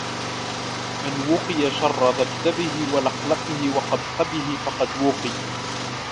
مَنْ وُقِيَ شَرَّ ذَبْذَبِهِ وَلَقْلَقِهِ وَقَبْقَبِهِ فَقَدْ وُقِيَ